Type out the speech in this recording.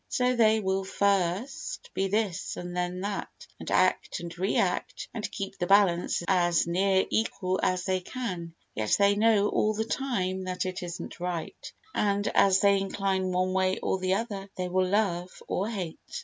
So they will first be this and then that, and act and re act and keep the balance as near equal as they can, yet they know all the time that it isn't right and, as they incline one way or the other, they will love or hate.